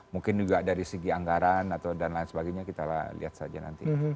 mungkin juga dari segi anggaran atau dan lain sebagainya kita lihat saja nanti